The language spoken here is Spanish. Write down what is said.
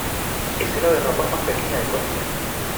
Es el ave rapaz más pequeña del continente.